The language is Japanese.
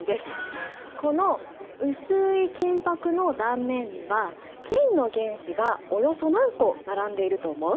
この薄い金ぱくの断面には金の原子がおよそ何個並んでいると思う？